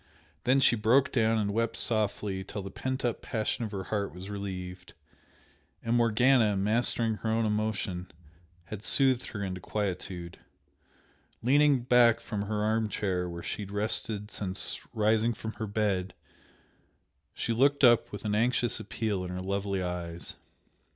Then she broke down and wept softly till the pent up passion of her heart was relieved, and Morgana, mastering her own emotion, had soothed her into quietude. Leaning back from her arm chair where she had rested since rising from her bed, she looked up with an anxious appeal in her lovely eyes.